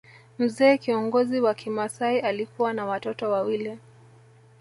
Mzee kiongozi wa kimasai alikuwa na watoto wawili